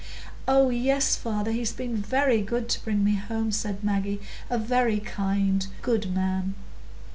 "Oh yes, father, he's been very good to bring me home," said Maggie,—"a very kind, good man!"